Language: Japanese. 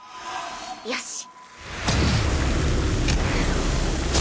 よし！